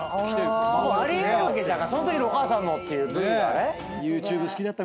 「そのときのお母さんの」っていうＶがね。